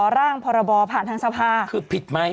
ร่างพรบอผ่านทางซภา